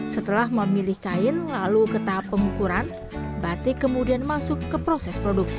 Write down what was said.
setelah memilih kain lalu ke tahap pengukuran batik kemudian masuk ke proses produksi